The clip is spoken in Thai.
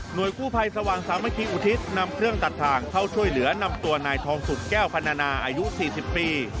โดยกู้ภัยสว่างสามัคคีอุทิศนำเครื่องตัดทางเข้าช่วยเหลือนำตัวนายทองสุดแก้วพันนานาอายุ๔๐ปี